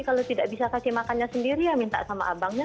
kalau tidak bisa kasih makannya sendiri ya minta sama abangnya